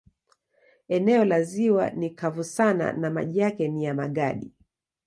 Eneo la ziwa ni kavu sana na maji yake ni ya magadi.